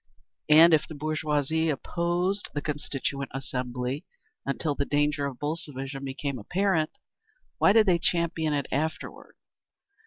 And if the bourgeoisie opposed the Constituent Assembly until the danger of Bolshevism became apparent, why did they champion it afterward?